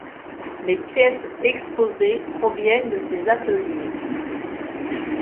Les pièces exposées proviennent de ces ateliers.